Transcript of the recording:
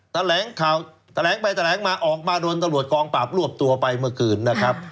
แถลงไปแถลงมาออกมาโดนตลวจกองปราบรวบตัวไปเมื่อคืนนะครับ